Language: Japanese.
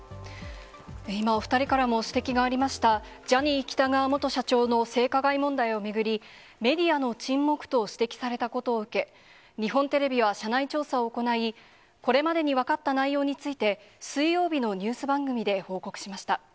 今、お２人からも指摘がありました、ジャニー喜多川元社長の性加害問題を巡り、メディアの沈黙と指摘されたことを受け、日本テレビは社内調査を行い、これまでに分かった内容について、水曜日のニュース番組で報告しました。